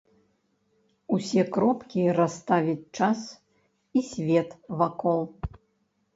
Усе кропкі расставіць час і свет вакол.